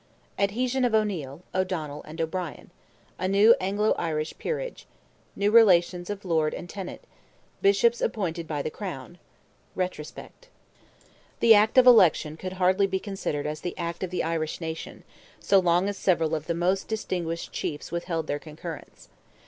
ADHESION OF O'NEIL, O'DONNELL AND O'BRIEN—A NEW ANGLO IRISH PEERAGE—NEW RELATIONS OF LORD AND TENANT—BISHOPS APPOINTED BY THE CROWN—RETROSPECT. The Act of Election could hardly be considered as the Act of the Irish nation, so long as several of the most distinguished chiefs withheld their concurrence.